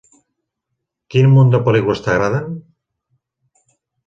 Quin munt de pel·lícules t'agraden?